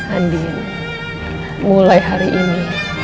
adin mulai hari ini